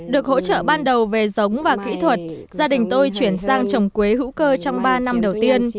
được hỗ trợ ban đầu về giống và kỹ thuật gia đình tôi chuyển sang trồng quế hữu cơ trong ba năm đầu tiên